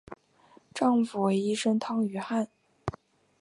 丈夫为医生汤于翰。